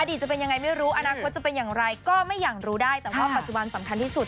จะเป็นยังไงไม่รู้อนาคตจะเป็นอย่างไรก็ไม่อยากรู้ได้แต่ว่าปัจจุบันสำคัญที่สุด